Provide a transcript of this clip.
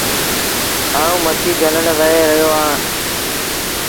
آئوٚنٚ مڇيٚ جھلڻ وهي رهيو اهآنٚ۔